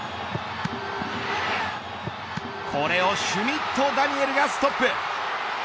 これをシュミット・ダニエルがストップ。